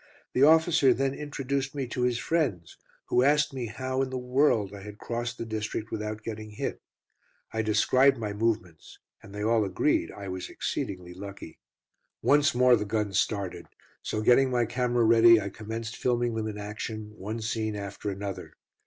The officer then introduced me to his friends, who asked me how in the world I had crossed the district without getting hit. I described my movements, and they all agreed that I was exceedingly lucky. Once more the guns started, so getting my camera ready I commenced filming them in action, one scene after another.